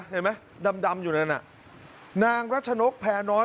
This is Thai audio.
เห็นไหมดำอยู่นั่นน่ะนางรัชนกแพรน้อย